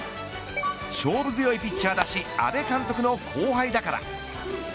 勝負強いピッチャーだし阿部監督の後輩だから。